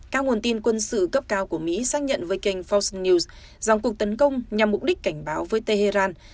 các nguồn tin quân sự cấp cao của mỹ xác nhận với kênh fox news rằng cuộc tấn công nhằm mục đích cảnh báo với tehran